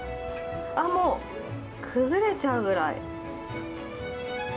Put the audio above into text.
ああ、もう崩れちゃうぐらい。